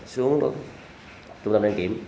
xuống trung tâm đơn kiểm